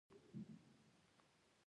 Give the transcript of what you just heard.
کوفي عربي خط؛ د خط یو ډول دﺉ.